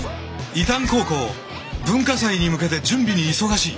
伊旦高校文化祭に向けて準備に忙しい。